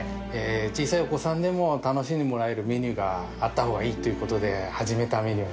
小さいお子さんでも楽しんでもらえるメニューがあった方がいいということで始めたメニューなんですよ。